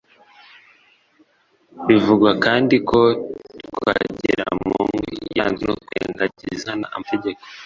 Bivugwa kandi ko Twagiramungu yaranzwe no kwirengangiza nkana amategeko